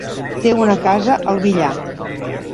Té una casa al Villar.